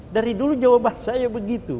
dari dulu jawaban saya begitu